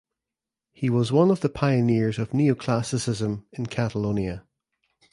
He was one of the pioneers of Neoclassicism in Catalonia.